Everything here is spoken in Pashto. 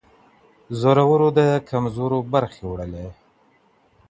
زورورو د کمزورو برخي وړلې